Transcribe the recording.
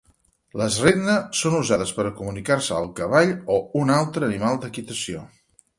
Les regna són usades per comunicar-se al cavall o un altre animal d'equitació.